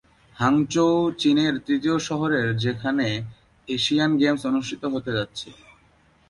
Hangzhou চীনের তৃতীয় শহর যেখানে এশিয়ান গেমস অনুষ্ঠিত হতে যাচ্ছে।